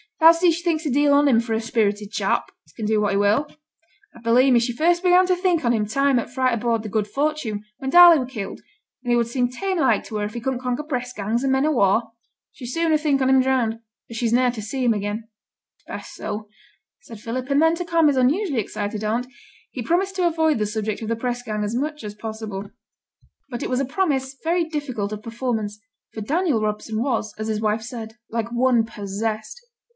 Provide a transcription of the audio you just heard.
Thou sees she thinks a deal on him for a spirited chap, as can do what he will. I belie' me she first began to think on him time o' t' fight aboard th' Good Fortune, when Darley were killed, and he would seem tame like to her if he couldn't conquer press gangs, and men o' war. She's sooner think on him drowned, as she's ne'er to see him again.' 'It's best so,' said Philip, and then, to calm his unusually excited aunt, he promised to avoid the subject of the press gang as much as possible. But it was a promise very difficult of performance, for Daniel Robson was, as his wife said, like one possessed.